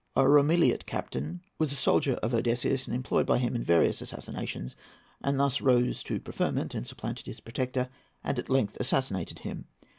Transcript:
—A Romeliot captain; was a soldier of Odysseus, and employed by him in various assassinations, and thus he rose to preferment and supplanted his protector, and at length assassinated him.